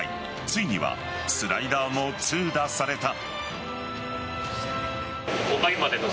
ついにはスライダーも痛打された。